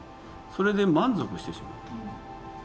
それで満足してしまって。